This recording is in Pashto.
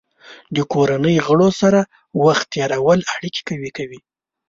د کورنۍ غړو سره وخت تېرول اړیکې قوي کوي.